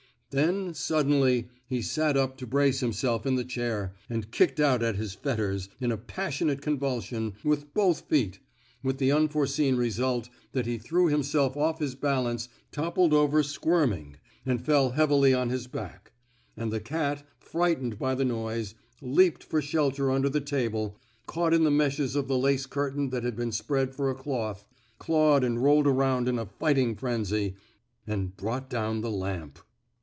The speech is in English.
Then suddenly he sat up to brace himself in the chair, and kicked out at his fetters, in a passionate convulsion, with both feet — with the unforeseen result that he threw him self off his balance, toppled over squirming, and fell heavily on his back; and the cat, frightened by the noise, leaped for shelter under the table, caught in the meshes of the lace curtain that had been spread for a cloth, clawed and rolled around in a fighting frenzy, and brought down the lamp.